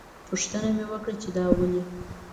پوښتنه مې وکړه چې دا ولې.